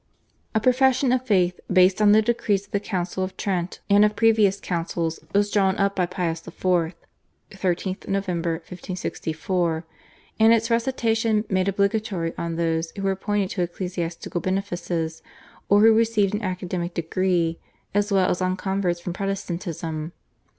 A profession of faith based on the decrees of the Council of Trent and of previous councils was drawn up by Pius IV. (13th Nov. 1564), and its recitation made obligatory on those who were appointed to ecclesiastical benefices or who received an academic degree as well as on converts from Protestantism.